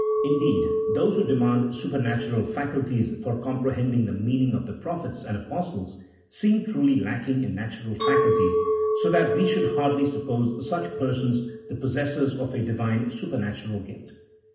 Indeed, those who demand supernatural faculties for comprehending the meaning of the prophets and apostles seem truly lacking in natural faculties, so that we should hardly suppose such persons the possessors of a Divine supernatural gift.